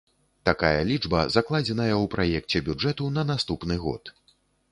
Такая лічба закладзеная ў праекце бюджэту на наступны год.